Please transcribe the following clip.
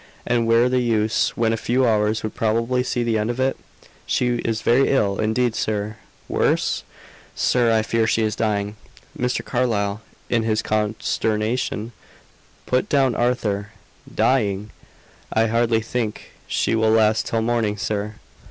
And where the use, when a few hours would probably see the end of it? "She is very ill, indeed, sir." "Worse?" "Sir, I fear she is dying." Mr. Carlyle, in his consternation, put down Arthur. "Dying!" "I hardly think she will last till morning, sir!"